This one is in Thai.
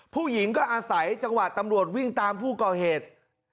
ผู้หญิงก็อาศัยจังหวะตำรวจวิ่งตามผู้ก่อเหตุ